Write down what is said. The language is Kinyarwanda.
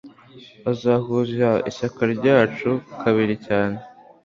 uzahuza ishyaka ryacu kabiri cyane